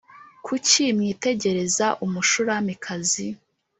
Kuki mwitegereza Umushulamikazi,